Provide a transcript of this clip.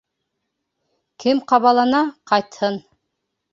Кем ҡабалана, ҡайтһын!